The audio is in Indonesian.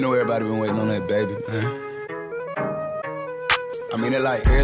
nggak boleh no comment aja